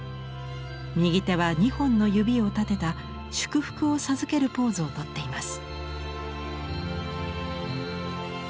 右手は２本の指を立てた祝福を授けるポーズを取っています。